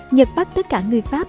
nhật bắt tất cả người pháp